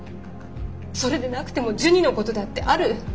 それでなくてもジュニのことだってある。